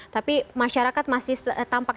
tapi masyarakat masih tampak